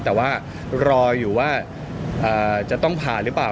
แต่ว่ารออยู่ว่าจะต้องผ่าหรือเปล่า